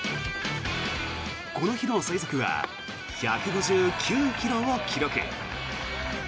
この日の最速は１５９ｋｍを記録。